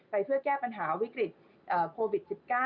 เพื่อแก้ปัญหาวิกฤตโควิด๑๙